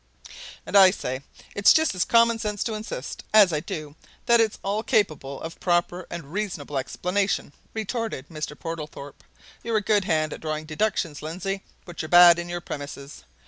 "And I say it's just as common sense to insist, as I do, that it's all capable of proper and reasonable explanation!" retorted Mr. Portlethorpe. "You're a good hand at drawing deductions, Lindsey, but you're bad in your premises!